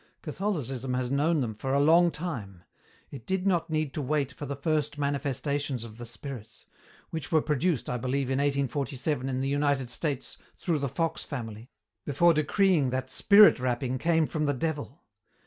Catholicism has known them for a long time. It did not need to wait for the first manifestations of the spirits which were produced, I believe, in 1847, in the United States, through the Fox family before decreeing that spirit rapping came from the Devil.